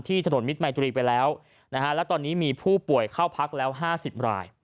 ถนนมิตรมัยตรีไปแล้วนะฮะและตอนนี้มีผู้ป่วยเข้าพักแล้ว๕๐ราย